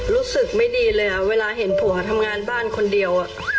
รู้สึกไม่ดีเลยเวลาเห็นผัวทำงานบ้านคนเดียว